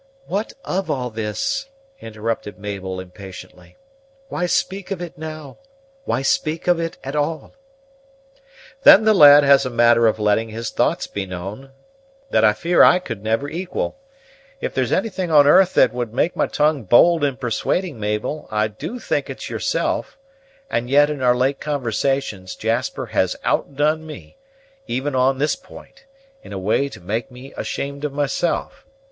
"What of all this?" interrupted Mabel impatiently; "Why speak of it now why speak of it at all?" "Then the lad has a manner of letting his thoughts be known, that I fear I can never equal. If there's anything on 'arth that would make my tongue bold and persuading, Mabel, I do think it's yourself; and yet in our late conversations Jasper has outdone me, even on this point, in a way to make me ashamed of myself.